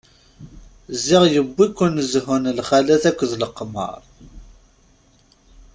Ziɣ yewwi-ken zhu n lxalat akked leqmeṛ.